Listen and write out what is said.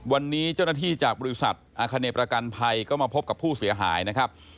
วันนี้เจ้าหน้าที่จากบริษัทอาคเนประกันภัยก็มาพบกับผู้เสียหายนะครับ